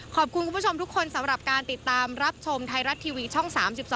ขอบคุณคุณผู้ชมทุกคนสำหรับการติดตามรับชมไทยรัฐทีวีช่อง๓๒